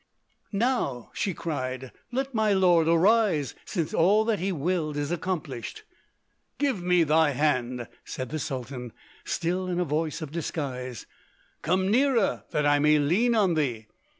"Now," she cried, "let my lord arise, since all that he willed is accomplished!" "Give me thy hand!" said the Sultan, still in a voice of disguise; "come nearer that I may lean on thee!"